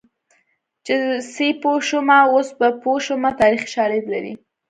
چې سیپو شومه اوس په پوه شومه تاریخي شالید لري